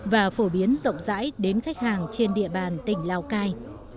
và phổ biến rộng rãi đến khách hàng trên địa bàn tỉnh lào cai